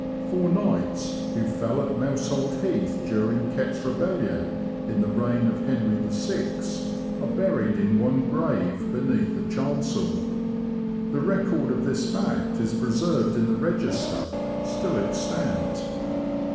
Four knights, who fell at Mousehold Heath during Rett's Rebellion, in the reign of Henry VI., are buried in one grave beneath the chancel ; the record of this fact is preserved in the register, still extant.